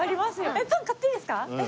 えっパン買っていいですか？